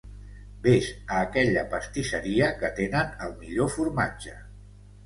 Ves a aquella pastisseria, que tenen el millor formatge.